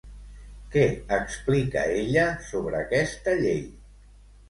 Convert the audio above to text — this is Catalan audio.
Què explica ella sobre aquesta llei?